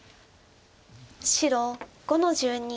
白５の十二切り。